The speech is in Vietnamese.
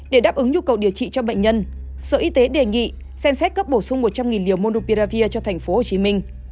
để đáp ứng nhu cầu điều trị cho bệnh nhân sở y tế đề nghị xem xét cấp bổ sung một trăm linh liều mnupiravir cho tp hcm